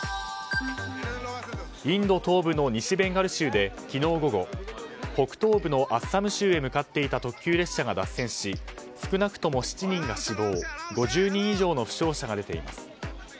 インド東部の西ベンガル州で昨日午後北東部のアッサム州に向かっていた特急列車が脱線し、少なくとも７人が死亡５０人以上の負傷者が出ています。